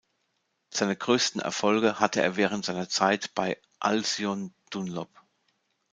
Seine größten Erfolge hatte er während seiner Zeit bei "Alcyon-Dunlop".